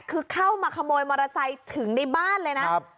คือเข้ามาขโมยมอเตอร์ไซค์ถึงในบ้านเลยนะ